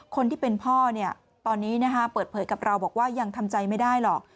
คนที่เป็นพ่อตอนนี้เปิดเผยกับเราบอกว่ายังทำใจไม่ได้หรอก